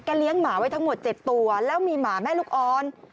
เลี้ยงหมาไว้ทั้งหมด๗ตัวแล้วมีหมาแม่ลูกอ่อน